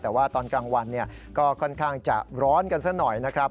แต่ว่าตอนกลางวันก็ค่อนข้างจะร้อนกันซะหน่อยนะครับ